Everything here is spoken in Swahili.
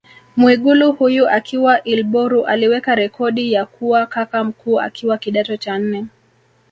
Mwigulu huyu akiwa Ilboru aliweka rekodi ya kuwa kaka mkuu akiwa kidato cha nne